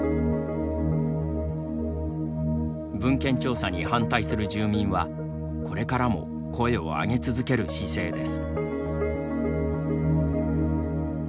文献調査に反対する住民はこれからも声を上げ続ける姿勢です。